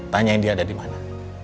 tanyain dia ada di mana